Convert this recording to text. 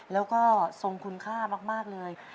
แล้วก็ทรงคุณค่ามากเลย